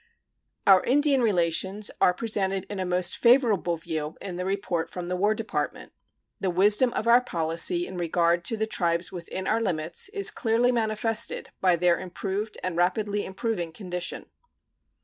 Our Indian relations are presented in a most favorable view in the report from the War Department. The wisdom of our policy in regard to the tribes within our limits is clearly manifested by their improved and rapidly improving condition.